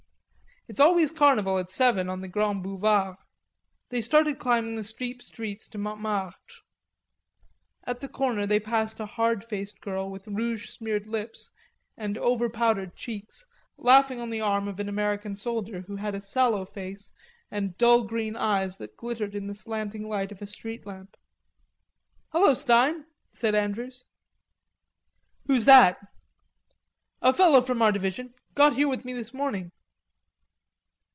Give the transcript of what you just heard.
"It's always carnival at seven on the Grands Boulevards." They started climbing the steep streets to Montmartre. At a corner they passed a hard faced girl with rouge smeared lips and overpowdered cheeks, laughing on the arm of an American soldier, who had a sallow face and dull green eyes that glittered in the slanting light of a street lamp. "Hello, Stein," said Andrews. "Who's that?" "A fellow from our division, got here with me this morning."